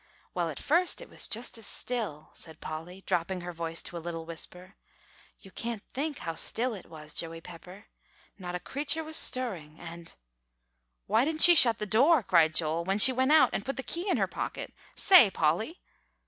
"Well, at first it was just as still," said Polly, dropping her voice to a little whisper, "you can't think how still it was, Joey Pepper. Not a creature was stirring, and" "Why didn't she shut the door," cried Joel, "when she went out, and put the key in her pocket? Say, Polly?"